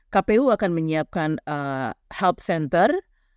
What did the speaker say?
kpu akan menyiapkan health center